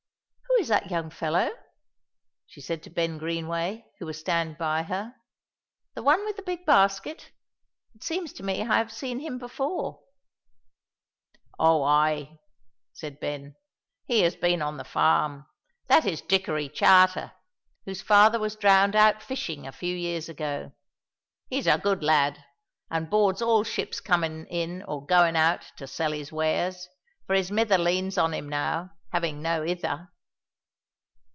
"Who is that young fellow?" she said to Ben Greenway, who was standing by her, "the one with the big basket? It seems to me I have seen him before." "Oh, ay!" said Ben, "he has been on the farm. That is Dickory Charter, whose father was drowned out fishing a few years ago. He is a good lad, an' boards all ships comin' in or goin' out to sell his wares, for his mither leans on him now, having no ither."